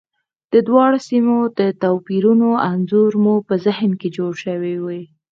د دواړو سیمو د توپیرونو انځور مو په ذهن کې جوړ شوی وي.